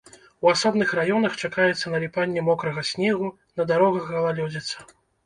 У асобных раёнах чакаецца наліпанне мокрага снегу, на дарогах галалёдзіца.